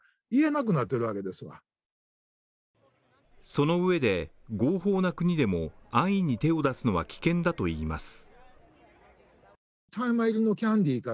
その上で、合法な国でも、安易に手を出すのは危険だといいます。